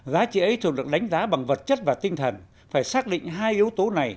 giá trị ấy thường được đánh giá bằng vật chất và tinh thần phải xác định hai yếu tố này